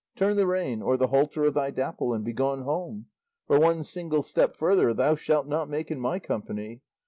Turn the rein, or the halter, of thy Dapple, and begone home; for one single step further thou shalt not make in my company.